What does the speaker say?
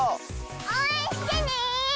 おうえんしてね！